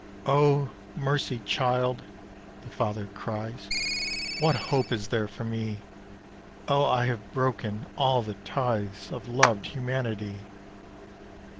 "Oh! mercy, child!" the father cries, "What hope is there for me, Oh! I have broken all the ties Of loved humanity!